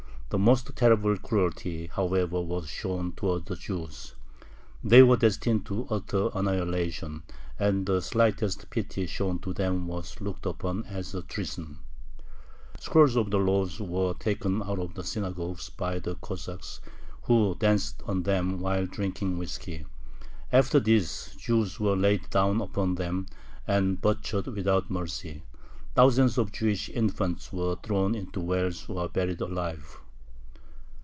The most terrible cruelty, however, was shown towards the Jews. They were destined to utter annihilation, and the slightest pity shown to them was looked upon as treason. Scrolls of the Law were taken out of the synagogues by the Cossacks, who danced on them while drinking whiskey. After this Jews were laid down upon them, and butchered without mercy. Thousands of Jewish infants were thrown into wells, or buried alive.